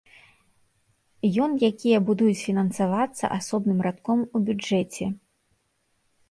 Ён якія будуць фінансавацца асобным радком у бюджэце.